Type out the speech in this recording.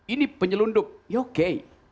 ini penyelundup ya oke